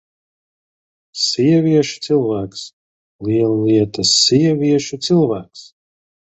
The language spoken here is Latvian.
Sievieša cilvēks! Liela lieta: sievieša cilvēks!